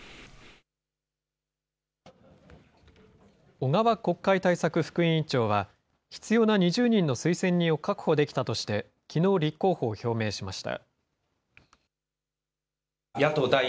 小川国会対策副委員長は必要な２０人の推薦人を確保できたとして、きのう立候補を表明しました。